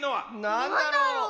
なんだろう。